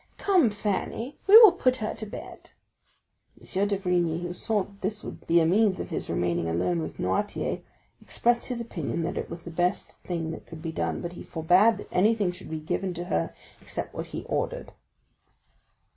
Come, Fanny, we will put her to bed." M. d'Avrigny, who saw that would be a means of his remaining alone with Noirtier, expressed his opinion that it was the best thing that could be done; but he forbade that anything should be given to her except what he ordered.